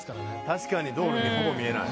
確かに道路ほぼ見えない。